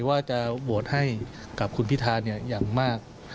ว่าจะโหวตให้กับคุณพิธาอย่างมาก